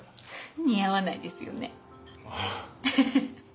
似合わないですよね。